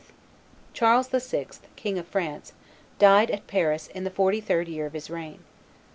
Charles VI., King of France, died at Paris in the forty third year of his reign.